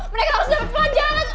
mereka harus dapet pelajaran